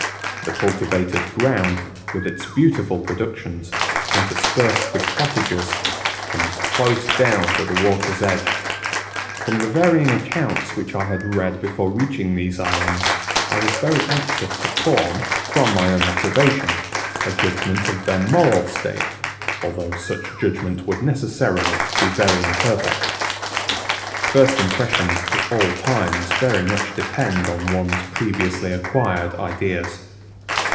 The cultivated ground, with its beautiful productions, interspersed with cottages, comes close down to the water's edge. From the varying accounts which I had read before reaching these islands, I was very anxious to form, from my own observation, a judgment of their moral state, although such judgment would necessarily be very imperfect. First impressions at all times very much depend on one's previously acquired ideas.